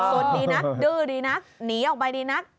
สนดีนะดื้อดีนะหนีออกไปดีนัก